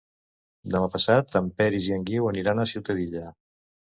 Demà passat en Peris i en Guiu aniran a Ciutadilla.